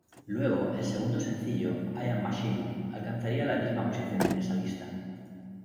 Luego, el segundo sencillo, I Am Machine alcanzaría la misma posición en esa lista.